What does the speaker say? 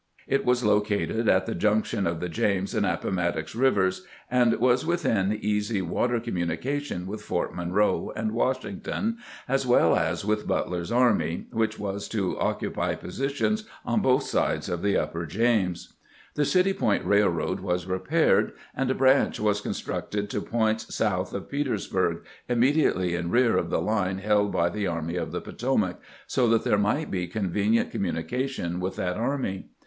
It was located at the junction of the James and the Appomattox rivers, and was within easy water communication with Fort Mon roe and Washington, as well as with Butler's army, which was to occupy positions on both sides of the 212 CAMPAIGNING WITH GRANT upper James. The City Point Eailroad was repaired, and a branch was constructed to points south of Peters burg, immediately in rear of the line held by the Army of the Potomac, so that there might be convenient com munication with that army.